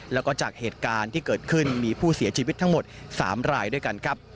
แล้วก็จากเหตุการณ์ที่เกิดขึ้นมีผู้เสียชีวิตทั้งหมด๓รายด้วยกันครับ